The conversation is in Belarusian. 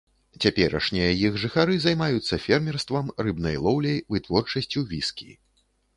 Цяперашнія іх жыхары займаюцца фермерствам, рыбнай лоўляй, вытворчасцю віскі.